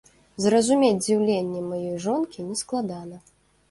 Зразумець здзіўленне маёй жонкі нескладана.